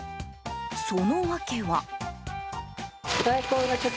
その訳は。